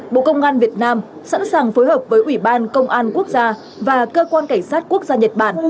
bộ công an việt nam sẵn sàng phối hợp với ủy ban công an quốc gia và cơ quan cảnh sát quốc gia nhật bản